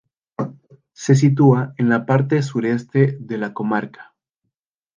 Se sitúa en la parte sureste de la comarca.